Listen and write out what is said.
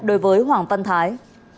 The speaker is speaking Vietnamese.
đối với hoàng văn thái